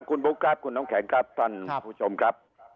คุณบุ๊คกราฟคุณน้องแข็งกัปตันคุณผู้ชมครับ